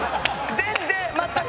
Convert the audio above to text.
全然全く！